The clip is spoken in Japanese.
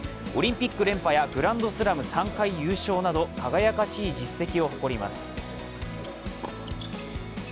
オリンピック連覇やグランドスラム３回優勝など輝かしい実績を誇ります。